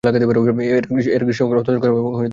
এর গ্রীষ্মকাল অত্যন্ত গরম এবং শুষ্ক।